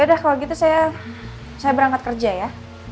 yaudah kalau gitu saya berangkat kerja ya